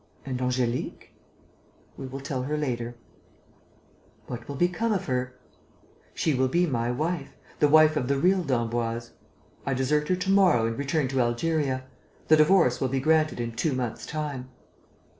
"And Angélique?" "We will tell her later." "What will become of her?" "She will be my wife, the wife of the real d'Emboise. I desert her to morrow and return to Algeria. The divorce will be granted in two months' time."